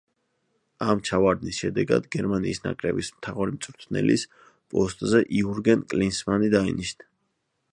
ამ ჩავარდნის შემდეგ გერმანიის ნაკრების მთავარი მწვრთნელის პოსტზე იურგენ კლინსმანი დაინიშნა.